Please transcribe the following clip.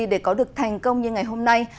để có được thành công như ngày hôm nay